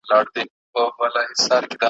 هند او ايران پوري مربوط